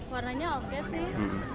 warnanya oke sih